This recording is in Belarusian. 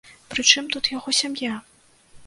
Пры чым тут яго сям'я?